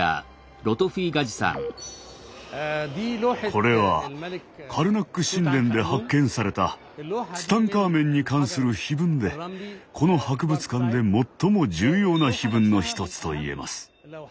これはカルナック神殿で発見されたツタンカーメンに関する碑文でこの博物館で最も重要な碑文の一つと言えます。